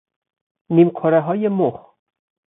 نیمکرههای مخ